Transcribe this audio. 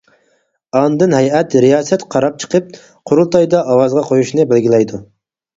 ئاندىن ھەيئەت رىياسەت قاراپ چىقىپ، قۇرۇلتايدا ئاۋازغا قويۇشنى بەلگىلەيدۇ.